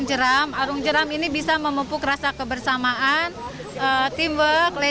menerang arun jeram ini bisa memumpuk kerah yang terlalu berlebihan dengan ketangguhan di dalam perah nama itu adalah arung jeram